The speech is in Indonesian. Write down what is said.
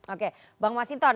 oke bang masinton